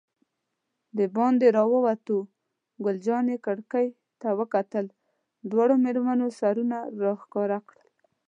دباندې راووتو، ګل جانې کړکۍ ته وکتل، دواړو مېرمنو سرونه را ښکاره کړل.